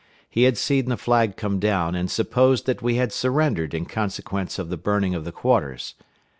He had seen the flag come down, and supposed that we had surrendered in consequence of the burning of the quarters.